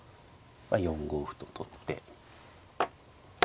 ４五歩と取って。